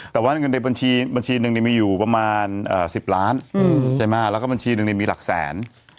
แต่ว่าเงินในบัญชีหนึ่งมีอยู่ประมาณ๑๐ล้านใช่ไหมแล้วก็บัญชีหนึ่งมีหลักแสน